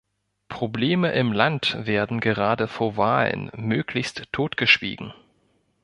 Probleme im Land werden gerade vor Wahlen möglichst totgeschwiegen.